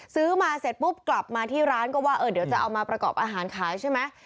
ซื้อมาเสร็จปุ๊บกลับมาที่ร้านก็ว่าเดี๋ยวจะเอามาประกอบอาหารขายใช่ไหม